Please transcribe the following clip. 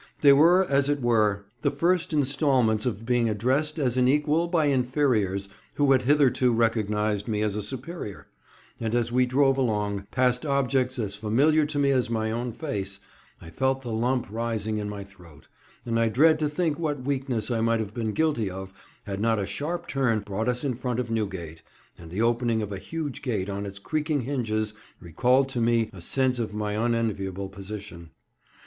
They were, as it were, the first instalments of being addressed as an equal by inferiors who had hitherto recognised me as a superior; and as we drove along, past objects as familiar to me as my own face, I felt the lump rising in my throat, and I dread to think what weakness I might have been guilty of had not a sharp turn brought us in front of Newgate, and the opening of a huge gate on its creaking hinges recalled me to a sense of my unenviable position.